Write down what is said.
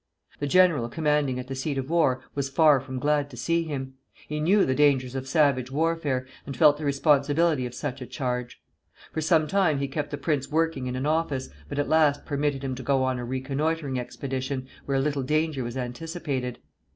The general commanding at the seat of war was far from glad to see him. He knew the dangers of savage warfare, and felt the responsibility of such a charge. For some time he kept the prince working in an office, but at last permitted him to go on a reconnoitring expedition, where little danger was anticipated.